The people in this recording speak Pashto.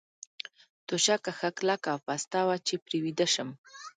توشکه ښه کلکه او پسته وه، چې پرې ویده شم.